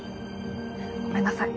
ごめんなさい。